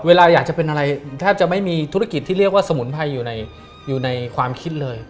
เวลาอยากจะเป็นอะไรแทบจะไม่มีธุรกิจที่เรียกว่าสมุนไพรอยู่ในความคิดเลย